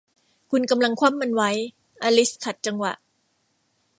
'คุณกำลังคว่ำมันไว้ ! ' อลิซขัดจังหวะ